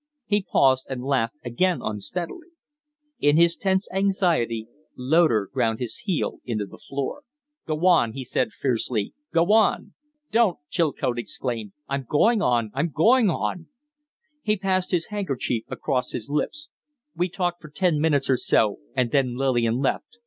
He paused and laughed again unsteadily. In his tense anxiety, Loder ground his heel into the floor. "Go on!" he said, fiercely. "Go on!" "Don't!" Chilcote exclaimed. "I'm going on I'm going on." He passed his handkerchief across his lips. "We talked for ten minutes or so, and then Lillian left.